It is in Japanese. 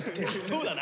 そうだな。